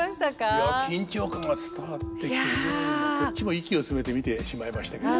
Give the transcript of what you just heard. いや緊張感が伝わってきて非常にこっちも息を詰めて見てしまいましたけど。